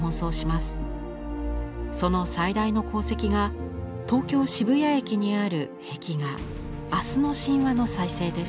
その最大の功績が東京渋谷駅にある壁画「明日の神話」の再生です。